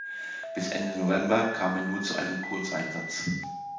Bis Ende November kam er nur zu einem Kurzeinsatz.